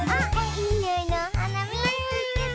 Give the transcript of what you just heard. いいにおいのおはなみつけた！